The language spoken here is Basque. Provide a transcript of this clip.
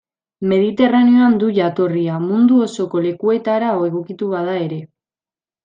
Mediterraneoan du jatorria, mundu osoko lekuetara egokitu bada ere.